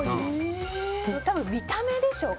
多分、見た目でしょうか。